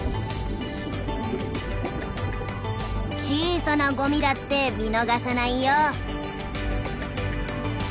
「小さなゴミだって見逃さないよ」。